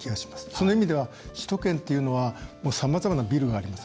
その意味では、首都圏というのはさまざまなビルがあります。